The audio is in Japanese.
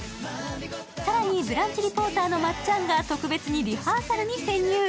更に、ブランチリポーターのまっちゃんが特別にリハーサルに潜入。